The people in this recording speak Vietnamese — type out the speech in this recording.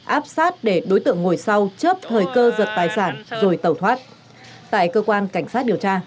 áp sát để đối tượng ngồi sau chớp thời cơ giật tài sản rồi tẩu thoát tại cơ quan cảnh sát điều tra